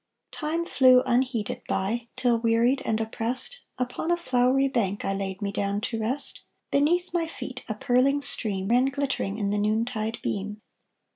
Time flew unheeded by, Till wearied and oppressed, Upon a flowery bank I laid me down to rest; Beneath my feet A purling stream Ran glittering in The noontide beam.